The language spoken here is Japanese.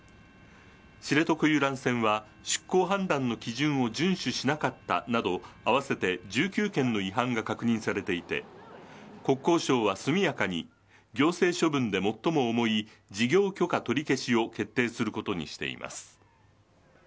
知床遊覧船は出港判断の基準を順守しなかったなど、合わせて１９件の違反が確認されていて、国交省は速やかに行政処分で最も重い事業許可取り消しを決定することにしています。